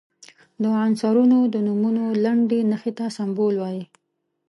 د عنصرونو د نومونو لنډي نښې ته سمبول وايي.